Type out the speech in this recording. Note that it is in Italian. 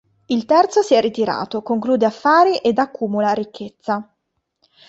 Il terzo si è ritirato, conclude affari ed accumula ricchezza.